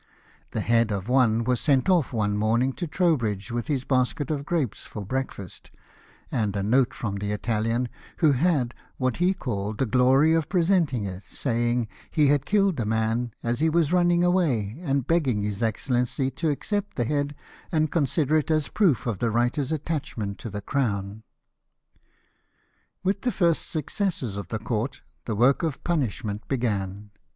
The head of one was sent off one morning to Trowbridge, with his basket of grapes for breakfast, and a note from the Italian, who had what he called the glory of pre senting it, saying he had killed the man as he was running away, and begging his Excellency to accept the head, and consider it as a proof of the writer's attachment to the crown. With the first successes of the court the work of punishment began.